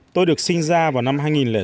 tôi được sinh ra vào năm hai nghìn sáu